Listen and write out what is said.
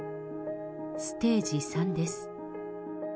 ステージ３です。